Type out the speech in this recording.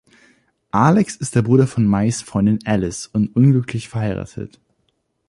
Alex ist der Bruder von Mays Freundin Alice und unglücklich verheiratet.